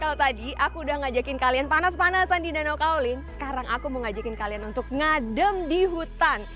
kalau tadi aku udah ngajakin kalian panas panasan di danau kaolin sekarang aku mau ngajakin kalian untuk ngadem di hutan